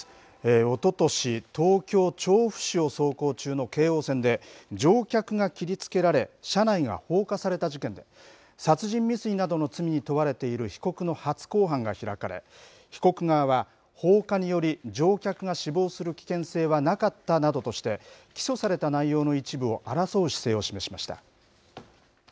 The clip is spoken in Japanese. おととし、東京・調布市を走行中の京王線で、乗客が切りつけられ、車内が放火された事件で、殺人未遂などの罪に問われている被告の初公判が開かれ、被告側は、放火により乗客が死亡する危険性はなかったなどとして、起訴された内容の一部を争う姿勢を示しました。